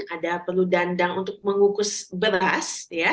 ada perlu dandang untuk mengukus beras